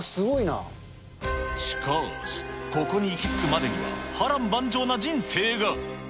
しかし、ここに行き着くまでには波乱万丈な人生が。